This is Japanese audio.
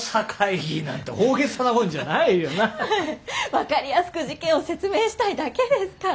分かりやすく事件を説明したいだけですから。